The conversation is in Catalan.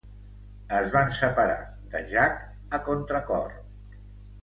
Es van separar de Jack a contracor.